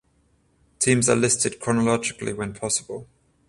Teams are listed chronologically when possible.